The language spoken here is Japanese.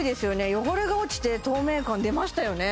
汚れが落ちて透明感出ましたよね